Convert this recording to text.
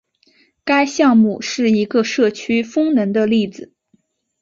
该项目是一个社区风能的例子。